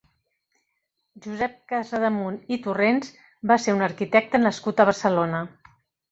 Josep Casademunt i Torrents va ser un arquitecte nascut a Barcelona.